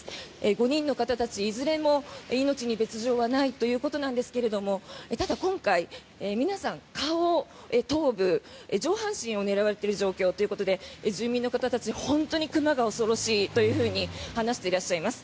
５人の方たちいずれも命に別条はないということなんですがただ、今回皆さん、顔、頭部、上半身を狙われている状況ということで住民の方たちは本当に熊が恐ろしいと話していらっしゃいます。